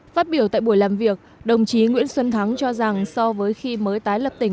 phát biểu tại buổi làm việc đồng chí nguyễn xuân thắng cho rằng so với khi mới tái lập tỉnh